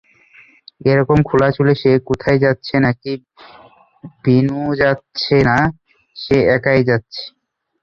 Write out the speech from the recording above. এ-রকম খোলা চুলে সে কোথায় যাচ্ছে নাকি বিনুযাচ্ছে না, সে একাই যাচ্ছে?